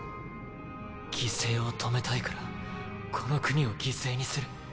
犠牲を止めたいからこの国を犠牲にする？